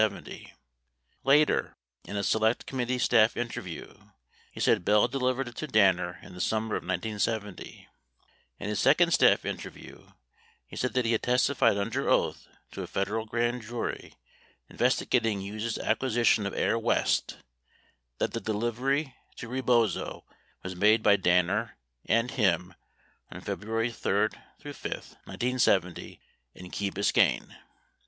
59 Later, in a Select Committee staff interview, he said Bell delivered it to Danner in the summer of 1970. 60 In his second staff in terview, he said that he had testified under oath to a Federal grand jury investigating Hughes' acquisition of Air West that the delivery to Rebozo was made by Danner and him on February 3 5, 1970, in Key Biscayne.